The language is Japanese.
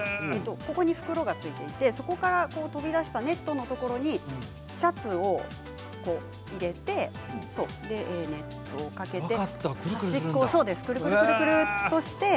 ここに袋がついていてそこから飛び出したネットのところにシャツを入れてネットをかけて。